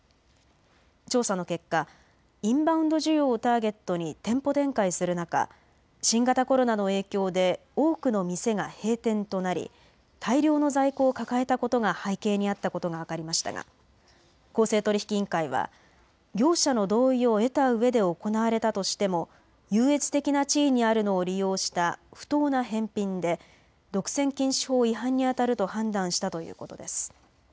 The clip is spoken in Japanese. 調査の結果、インバウンド需要をターゲットに店舗展開する中、新型コロナの影響で多くの店が閉店となり大量の在庫を抱えたことが背景にあったことが分かりましたが、公正取引委員会は業者の同意を得たうえで行われたとしても優越的な地位にあるのを利用した不当な返品で独占禁止法違反にあたると判断したということです。